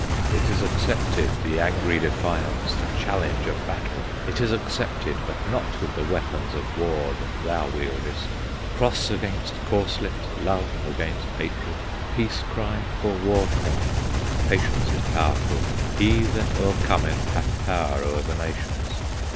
"It is accepted The angry defiance, The challenge of battle! It is accepted, But not with the weapons Of war that thou wieldest! "Cross against corslet, Love against hatred, Peace cry for war cry! Patience is powerful; He that o'ercometh Hath power o'er the nations!